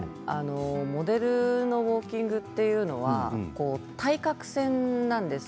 モデルのウォーキングは対角線なんです。